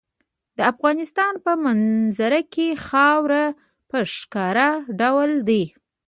د افغانستان په منظره کې خاوره په ښکاره ډول دي.